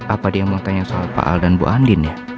apa dia mau tanya soal pak al dan bu andin ya